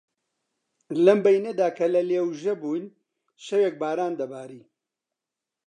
لەم بەینەدا کە لە لێوژە بووین، شەوێک باران دەباری